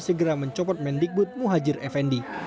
segera mencopot mendikbud muhajir effendi